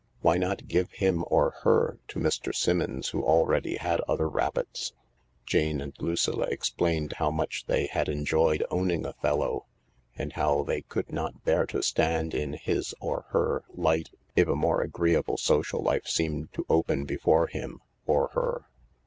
Why not give him, or her, to Mr. Simmons, who already had other rabbits ? Jane and Lucilla explained how much they had enjoyed owning Othello and how they could not bear to stand in his (or her) light if a more agreeable social life seemed to open before him (or her).